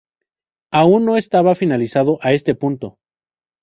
Aún no estaba finalizado a este punto.